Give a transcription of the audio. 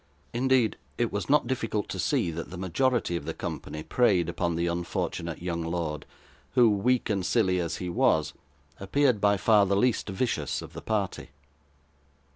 Indeed, it was not difficult to see, that the majority of the company preyed upon the unfortunate young lord, who, weak and silly as he was, appeared by far the least vicious of the party.